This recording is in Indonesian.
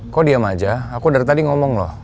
kok diam aja aku dari tadi ngomong loh